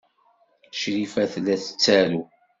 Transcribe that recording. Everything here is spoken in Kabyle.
Crifa tella tettaru.